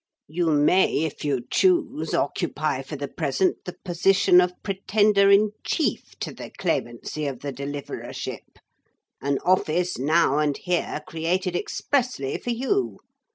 'You may if you choose, occupy for the present the position of Pretender in Chief to the Claimancy of the Deliverership, an office now and here created expressly for you.